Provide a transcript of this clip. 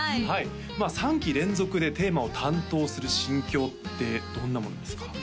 はいはい３期連続でテーマを担当する心境ってどんなものですか？